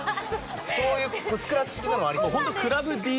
そういうスクラッチ的なのも？